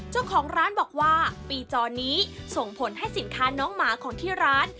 เจ้าของร้านบอกว่าปีจอนี้ส่งผลให้สินค้าน้องหมาของที่ร้าน